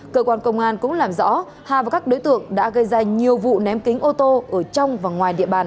cơ quan công an cũng làm rõ hà và các đối tượng đã gây ra nhiều vụ ném kính ô tô ở trong và ngoài địa bàn